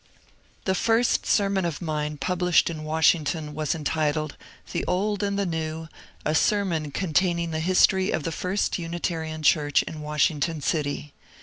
The first sermon of mine published in Washington was entitled, ^^ The Old and the New : A Sermon containing the History of the First Unitarian Church in Washington City."